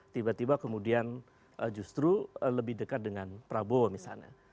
tiba tiba kemudian justru lebih dekat dengan prabowo misalnya